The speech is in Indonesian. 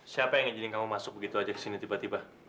siapa yang ngajarin kamu masuk begitu aja ke sini tiba tiba